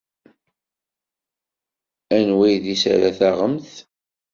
Anwa idis ara taɣemt?